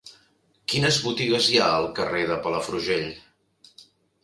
Quines botigues hi ha al carrer de Palafrugell?